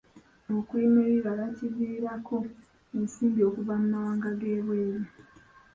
Okulima ebibala kiviirako ensimbi okuva mu mawanga g'ebweru.